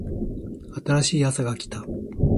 新しいあさが来た